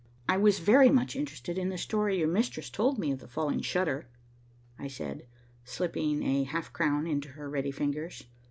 "I was very much interested in the story your mistress told me of the falling shutter," I said, slipping a half crown into her ready fingers.